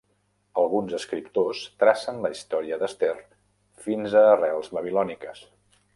Alguns escriptors tracen la història d'Ester fins a arrels babilòniques.